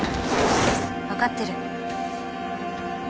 わかってる。